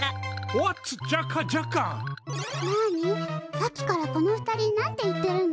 さっきからこの２人なんて言ってるの？